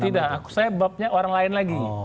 oh tidak sebabnya orang lain lagi